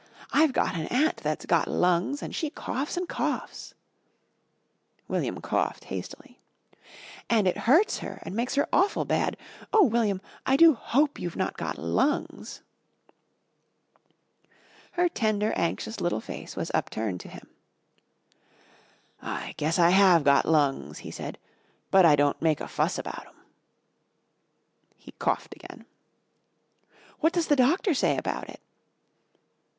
I've got an aunt that's got lungs and she coughs and coughs," William coughed hastily, "and it hurts her and makes her awful bad. Oh, William, I do hope you've not got lungs." Her tender, anxious little face was upturned to him. "I guess I have got lungs," he said, "but I don't make a fuss about 'em." He coughed again. "What does the doctor say about it?"